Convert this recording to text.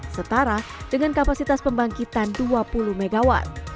setara dengan kapasitas pembangkitan dua puluh mw